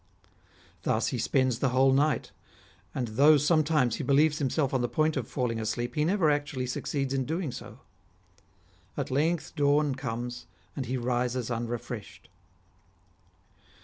Thus he spends the whole night, and though sometimes he believes himself on the point of falling asleep, he never actually succeeds in doing so. At length dawn comes, and he rises unrefreshed.